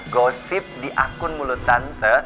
gosip di akun mulut tante